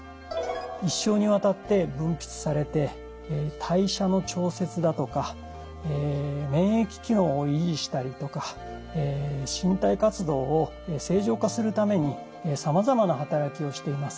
一生にわたって分泌されて代謝の調節だとか免疫機能を維持したりとか身体活動を正常化するためにさまざまな働きをしています。